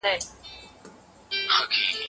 زما د پلونو نښي به له شپې سره وتلي وي